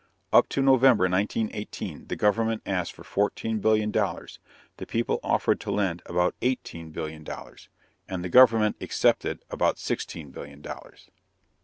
Up to November, 1918, the government asked for fourteen billion dollars, the people offered to lend about eighteen billion dollars, and the government accepted about sixteen billion dollars.